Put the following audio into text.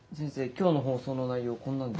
今日の放送の内容こんなんで。